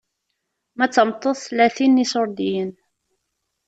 Ma d tameṭṭut, tlatin n iṣurdiyen.